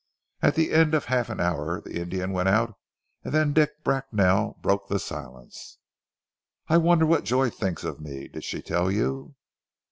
At the end of half an hour the Indian went out, and then Dick Bracknell broke the silence. "I wonder what Joy thinks of me? Did she tell you?"